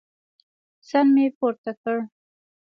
سر مې پورته کړ.